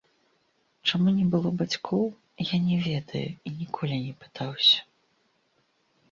Чаму не было бацькоў, я не ведаю і ніколі не пытаўся.